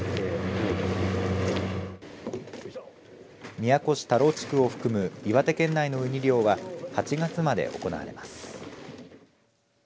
宮古市田老地区を含む岩手県内のうに漁は８月まで行われます。